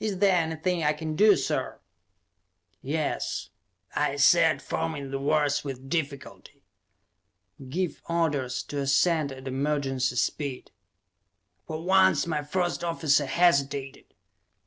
"Is there anything I can do, sir?" "Yes," I said, forming the words with difficulty. "Give orders to ascend at emergency speed!" For once my first officer hesitated.